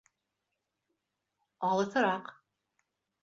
Алыҫыраҡ.